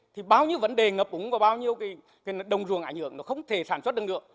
thì bao nhiêu vấn đề ngập ủng và bao nhiêu đồng ruộng ảnh hưởng nó không thể sản xuất được nữa